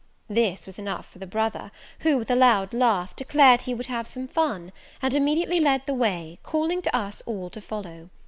This was enough for the brother; who, with a loud laugh, declared he would have some fun; and immediately led the way, calling to us all to follow.